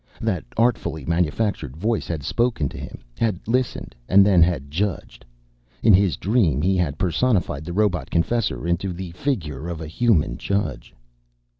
That artfully manufactured voice had spoken to him, had listened, and then had judged. In his dream, he had personified the robot confessor into the figure of a human judge.